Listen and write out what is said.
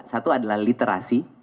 satu adalah literasi